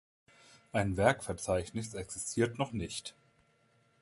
Ein Werkverzeichnis existiert noch nicht.